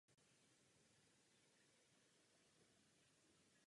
Pro vracející se ale bylo nutno zajistit vhodné životní podmínky a pracovní příležitosti.